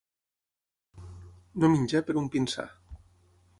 No menjar per un pinsà.